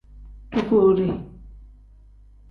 Duvude.